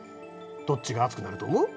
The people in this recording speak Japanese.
どっちが熱くなると思う？